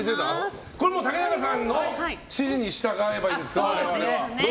これもう竹中さんの指示に従えばいいんですか、我々は。